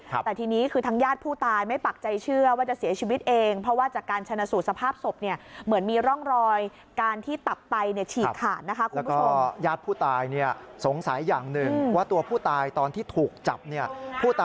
แต่ทีนี้ทั้งยาดผู้ตายไม่ปลักใจเชื่อว่าจะเสียชีวิตเอง